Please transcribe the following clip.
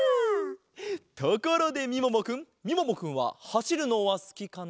ところでみももくんみももくんははしるのはすきかな？